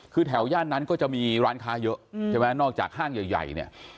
คือแถวย่านนั้นก็จะมีร้านค้าเยอะใช่ไหมนอกจากห้างใหญ่เนี่ย